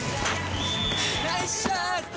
ナイスシュート！